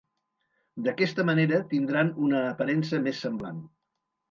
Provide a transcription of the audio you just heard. D'aquesta manera tindran una aparença més semblant.